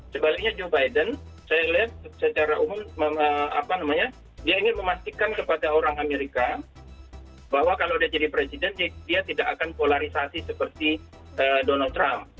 sebaliknya joe biden saya lihat secara umum dia ingin memastikan kepada orang amerika bahwa kalau dia jadi presiden dia tidak akan polarisasi seperti donald trump